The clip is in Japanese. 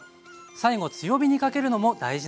最後強火にかけるのも大事なポイント。